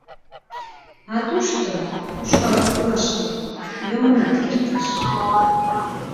А тушто, ушкал коклаште, йомынат кертеш.